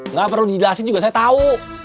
nggak perlu dijelasin juga saya tahu